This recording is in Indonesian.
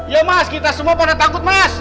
ya mas kita semua pada takut mas